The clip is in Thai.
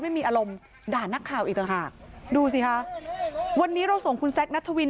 ไม่มีอารมณ์ด่านักข่าวอีกต่างหากดูสิคะวันนี้เราส่งคุณแซคนัทวิน